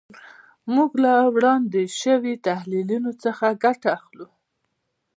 موږ له وړاندې شوي تحلیل څخه ګټه اخلو.